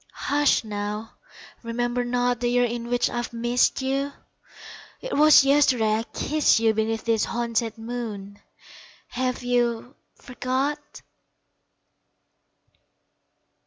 Hush remember not The years in which I've missed you 'Twas yesterday I kissed you Beneath this haunted moon! Have you forgot?